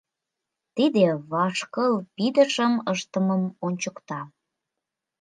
— Тиде вашкыл пидышым ыштымым ончыкта.